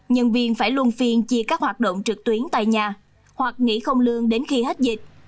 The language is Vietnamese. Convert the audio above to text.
nhân viên phải luôn phiên chia các hoạt động trực tuyến tại nhà hoặc nghỉ không lương đến khi hết dịch